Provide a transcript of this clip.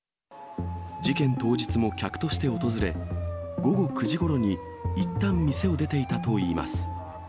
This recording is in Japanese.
事件当日も客として訪れ、午後９時ごろにいったん店を出ていたといいます。